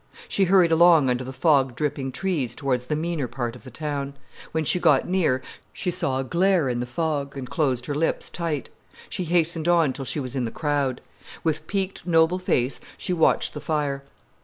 She hurried along under the fog dripping trees towards the meaner part of the town. When she got near, she saw a glare in the fog, and closed her lips tight. She hastened on till she was in the crowd. With peaked, noble face she watched the fire.